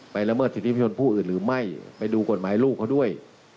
ละเมิดสิทธิประชนผู้อื่นหรือไม่ไปดูกฎหมายลูกเขาด้วย